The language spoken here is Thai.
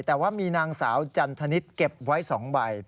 แต่ว่ามีนางสาวจันทนิษฐ์เก็บไว้๒ใบ